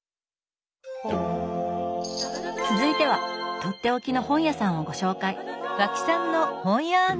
続いてはとっておきの本屋さんをご紹介。